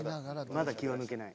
まだ気は抜けない。